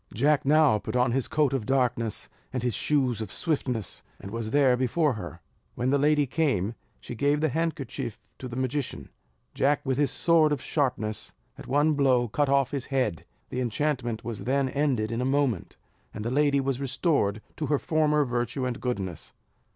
Jack now put on his coat of darkness, and his shoes of swiftness, and was there before her. When the lady came, she gave the handkerchief to the magician. Jack with his sword of sharpness, at one blow, cut off his head; the enchantment was then ended in a moment, and the lady was restored to her former virtue and goodness.